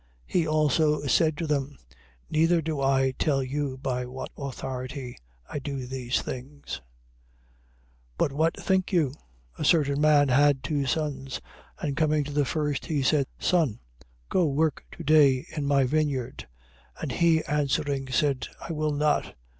He also said to them: Neither do I tell you by what authority I do these things. 21:28. But what think you? A certain man had two sons: and coming to the first, he said: Son, go work to day in my vineyard. 21:29. And he answering, said: I will not.